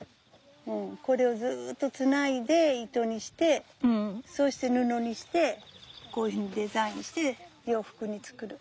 これをずっとつないで糸にしてそして布にしてこういうふうにデザインして洋服に作る。